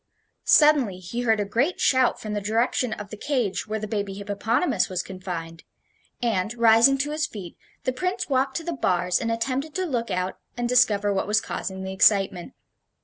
Suddenly he heard a great shout from the direction of the cage where the baby hippopotamus was confined, and, rising to his feet, the Prince walked to the bars and attempted to look out and discover what was causing the excitement.